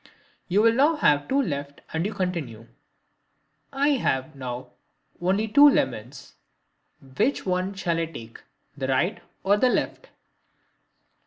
You will now have two left and you continue: "I have now only two lemons. Which one shall I take, the right or the left?"